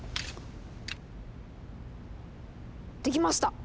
できました。